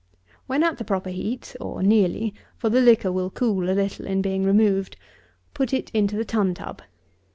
When at the proper heat, or nearly, (for the liquor will cool a little in being removed,) put it into the tun tub.